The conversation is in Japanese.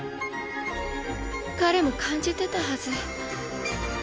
彼も感じてたはず。